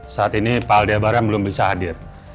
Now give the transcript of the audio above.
saat ini pak aldebaran belum bisa hadir